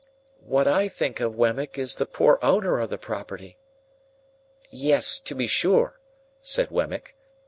"What I think of, Wemmick, is the poor owner of the property." "Yes, to be sure," said Wemmick.